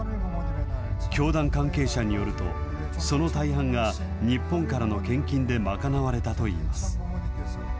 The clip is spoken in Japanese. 教団関係者によると、その大半が日本からの献金で賄われたといいます。